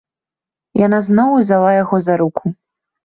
Яна зноў узяла яго за руку.